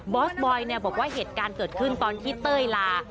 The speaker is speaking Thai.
อสบอยบอกว่าเหตุการณ์เกิดขึ้นตอนที่เต้ยลา